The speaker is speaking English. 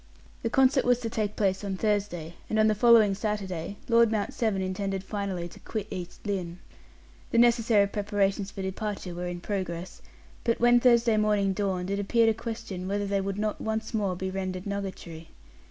The concert was to take place on Thursday, and on the following Saturday Lord Mount Severn intended finally to quit East Lynne. The necessary preparations for departure were in progress, but when Thursday morning dawned, it appeared a question whether they would not once more be rendered nugatory.